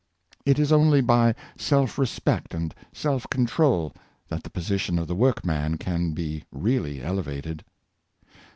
It is only by self respect and self control that the position of the workman can be really " elevated.